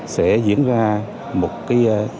sẽ diễn ra một lối mục tích thẳng trách nhiệm